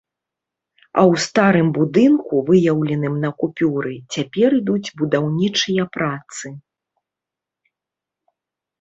А ў старым будынку, выяўленым на купюры, цяпер ідуць будаўнічыя працы.